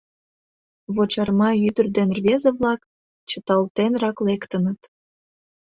Вочарма ӱдыр ден рвезе-влак чыталтенрак лектыныт.